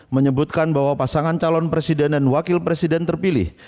menyebutkan bahwa pasangan calon presiden dan wakil presiden terpilih